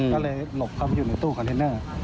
ก็เลยหลบเข้าไปอยู่ในตู้คอนเทนเนอร์